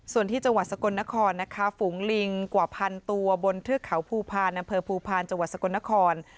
ส่วนที่จสกนครนะคะฝูงลิงกว่าพันตัวบนเทือกเขาภูพานนภภูพานจสกนคร